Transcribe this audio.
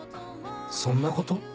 そんなこと？